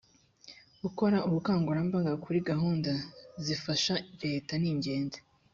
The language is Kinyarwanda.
gukora ubukangurambaga kuri gahunda zifasha reta ningenzi.